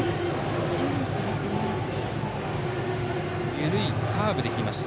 緩いカーブできました。